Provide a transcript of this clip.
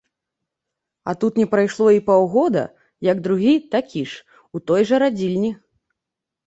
А тут не прайшло і паўгода, як другі, такі ж, у той жа радзільні.